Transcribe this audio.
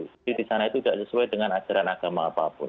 jadi disana itu tidak sesuai dengan ajaran agama apapun